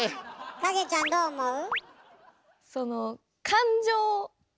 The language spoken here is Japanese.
影ちゃんどう思う？